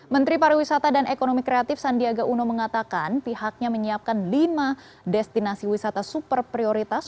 menteri pariwisata dan ekonomi kreatif sandiaga uno mengatakan pihaknya menyiapkan lima destinasi wisata super prioritas